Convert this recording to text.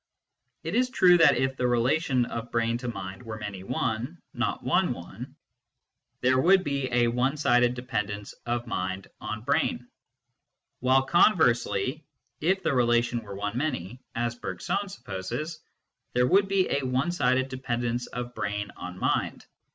It is true that if the relation of brain to mind were many one, not one one, there would be a one sided dependence of mind on brain, while con versely, if the relation were one many, as Bergson sup poses, there would be a one aided dependence of brain on mind.